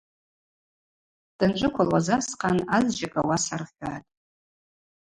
Данджвыквылуаз асхъан азджьакӏ ауаса рхӏватӏ:.